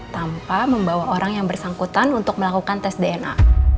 tanpa membawa orang yang bersangkutan untuk melakukan tes dna